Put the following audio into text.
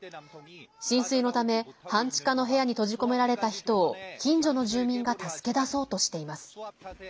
浸水のため半地下の部屋に閉じ込められた人を近所の住民が助け出そうとしています。